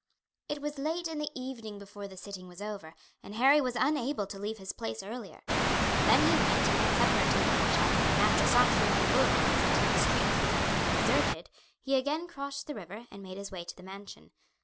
It was late in the evening before the sitting was over, and Harry was unable to leave his place earlier. Then he went and had supper at a wineshop, and after sauntering on the Boulevards until the streets began to be deserted he again crossed the river and made his way to the mansion.